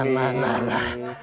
nah nah nah